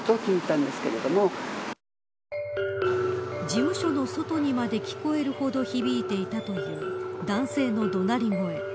事務所の外にまで聞こえるほど響いていたという男性の怒鳴り声。